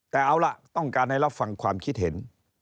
แต่เอาล่ะต้องการให้รับฟังความคิดเห็น